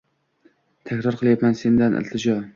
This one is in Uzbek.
Takror qilayapman sendan iltijo